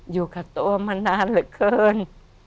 อยู่กับตัวมานานเหลือเกิน